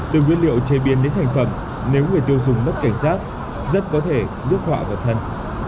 từ nguyên liệu chế biến đến thành phẩm nếu người tiêu dùng mất cảnh giác rất có thể giúp họa vật thân